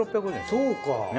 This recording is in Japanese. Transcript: そうか。